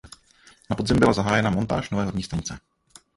Na podzim byla zahájena montáž nové horní stanice.